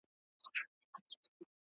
د تعلیم پر ضد ښکنځل او پوچ ویل وه `